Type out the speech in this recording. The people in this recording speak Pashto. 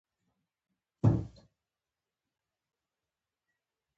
څخه وروسته خویندو وغوښتل چي د خپل باغ